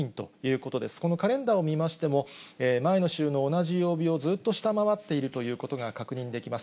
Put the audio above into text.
このカレンダーを見ましても、前の週の同じ曜日をずっと下回っているということが確認できます。